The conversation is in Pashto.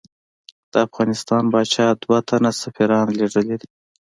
د افغانستان پاچا دوه تنه سفیران لېږلی دي.